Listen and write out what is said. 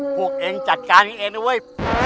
พวกเองจัดการเองนะเว้ย